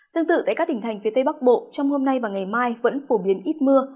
tương tự tại các tỉnh thành phía tây bắc bộ trong hôm nay và ngày mai vẫn phổ biến ít mưa